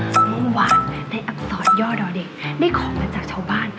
เมื่อวานได้อักษรย่อดอเด็กได้ของมาจากชาวบ้าน